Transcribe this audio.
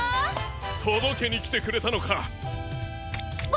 とどけにきてくれたのか！